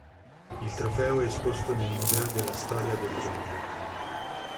Il trofeo è esposto nel Museo della Storia del Genoa.